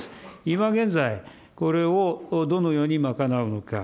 今現在、これをどのように賄うのか。